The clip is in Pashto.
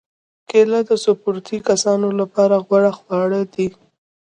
کېله د سپورتي کسانو لپاره غوره خواړه ده.